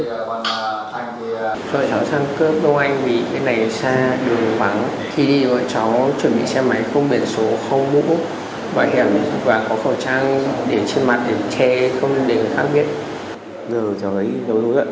rồi cháu sang cướp đông anh vì cái này xa đường vắng